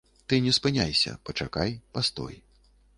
Ты не спыняйся, пачакай, пастой.